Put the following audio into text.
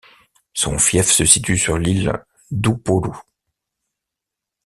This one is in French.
Son fief se situe sur l'île d'Upolu.